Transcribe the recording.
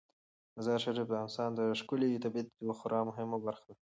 مزارشریف د افغانستان د ښکلي طبیعت یوه خورا مهمه برخه ده.